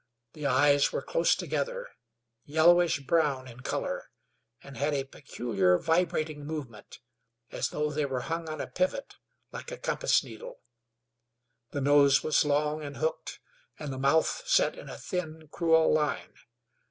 The eyes were close together, yellowish brown in color, and had a peculiar vibrating movement, as though they were hung on a pivot, like a compass needle. The nose was long and hooked, and the mouth set in a thin, cruel line.